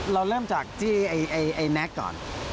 เราเริ่มจากที่ไอ้แน็กก่อน